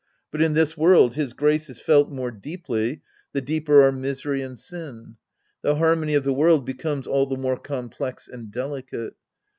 But in this world his grace is felt more deeply the deeper our misery and sin. The harmony of the world becomes all the more complex and delicate.